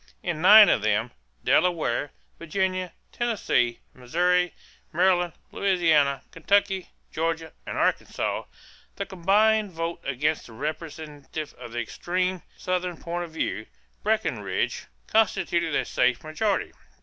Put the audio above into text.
In nine of them Delaware, Virginia, Tennessee, Missouri, Maryland, Louisiana, Kentucky, Georgia, and Arkansas the combined vote against the representative of the extreme Southern point of view, Breckinridge, constituted a safe majority.